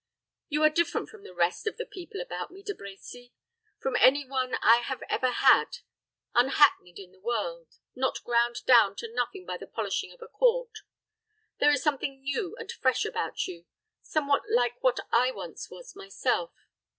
"You are different from the rest of the people about me, De Brecy; from any one I have ever had unhackneyed in the world not ground down to nothing by the polishing of a court. There is something new and fresh about you; somewhat like what I once was myself.